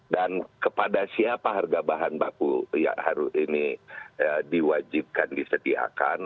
dan kepada siapa harga bahan baku ini diwajibkan disediakan